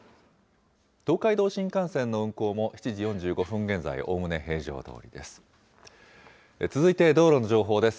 東海道新幹線の運行も、７時４５分現在、おおむね平常どおりです。